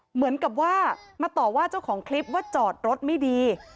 เหมือนกับว่ามาต่อว่าเจ้าของคลิปว่าจอดรถไม่ดี